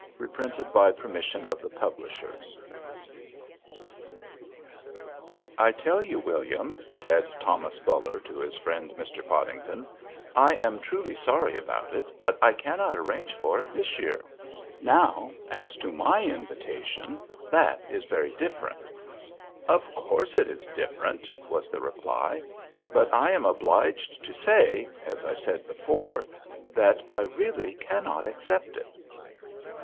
THE BULLER PODINGTON COMPACT BY FRANK RICHARD STOCKTON (1834–1902) "I tell you, William," said Thomas Buller to his friend Mr. Podington, "I am truly sorry about it, but I cannot arrange for it this year. Now, as to my invitation—that is very different." "Of course it is different," was the reply, "but I am obliged to say, as I said before, that I really cannot accept it."